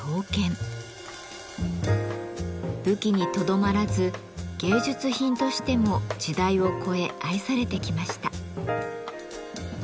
武器にとどまらず芸術品としても時代を超え愛されてきました。